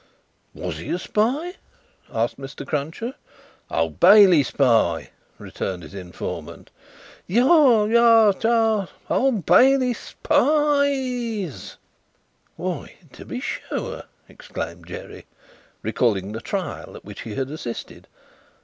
"Was he a spy?" asked Mr. Cruncher. "Old Bailey spy," returned his informant. "Yaha! Tst! Yah! Old Bailey Spi i ies!" "Why, to be sure!" exclaimed Jerry, recalling the Trial at which he had assisted.